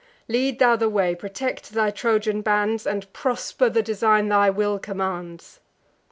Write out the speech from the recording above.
Lead thou the way; protect thy Trojan bands, And prosper the design thy will commands."